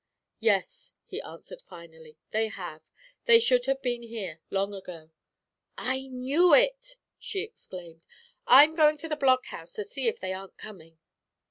"Yes," he answered finally; "they have. They should have been here long ago." "I knew it!" she exclaimed. "I'm going to the blockhouse to see if they aren't coming!"